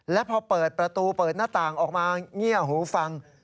และพอเปิดประตูเปิดหน้าต่างออกมาเงียบหูฟัง